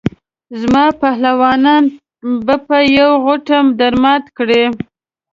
زما پهلوانان به په یوه غوټه درمات کړي.